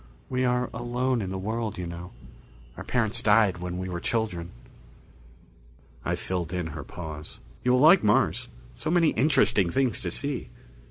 We are alone in the world, you know our parents died when we were children." I filled in her pause. "You will like Mars. So many interesting things to see."